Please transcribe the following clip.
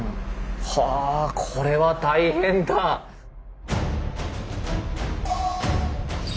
はあこれは大変だ！うお。